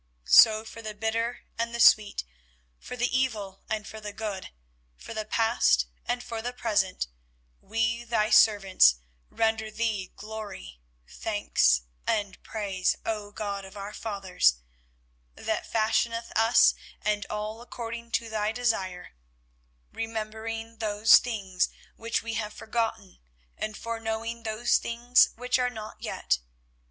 So for the bitter and the sweet, for the evil and the good, for the past and for the present, we, Thy servants, render Thee glory, thanks, and praise, O God of our fathers, That fashioneth us and all according to Thy desire, remembering those things which we have forgotten and foreknowing those things which are not yet.